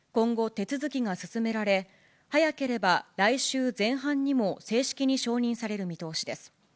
今後、手続きが進められ、早ければ来週前半にも正式に承認される見通しです。